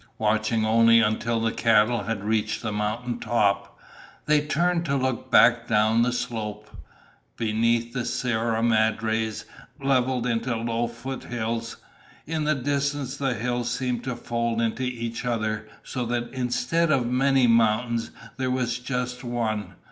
Watching only until the cattle had reached the mountain top, they turned to look back down the slope. Beneath, the Sierra Madres leveled into low foothills. In the distance, the hills seemed to fold into each other, so that instead of many mountains there was just one.